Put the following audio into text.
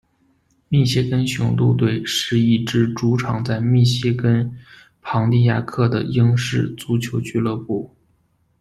密歇根雄鹿队是一支主场在密歇根庞蒂亚克的英式足球俱乐部。